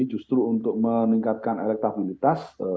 justru untuk meningkatkan elektabilitas